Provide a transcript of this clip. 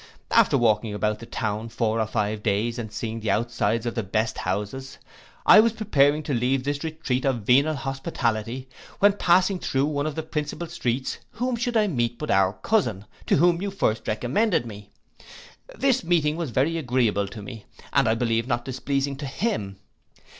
After walking about the town four or five days, and seeing the outsides of the best houses, I was preparing to leave this retreat of venal hospitality, when passing through one of the principal streets, whom should I meet but our cousin, to whom you first recommended me. This meeting was very agreeable to me, and I believe not displeasing to him.